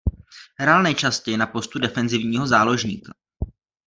Hrál nejčastěji na postu defenzivního záložníka.